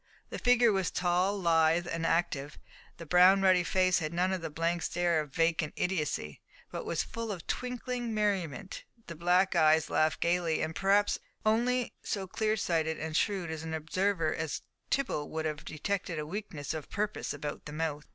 The figure was tall, lithe, and active, the brown ruddy face had none of the blank stare of vacant idiocy, but was full of twinkling merriment, the black eyes laughed gaily, and perhaps only so clearsighted and shrewd an observer as Tibble would have detected a weakness of purpose about the mouth.